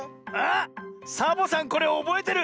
サボさんこれおぼえてる！